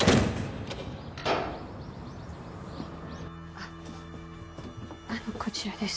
あっあのこちらです